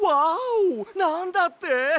なんだって？